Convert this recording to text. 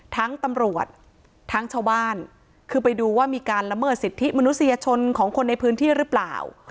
ตำรวจทั้งชาวบ้านคือไปดูว่ามีการละเมิดสิทธิมนุษยชนของคนในพื้นที่หรือเปล่า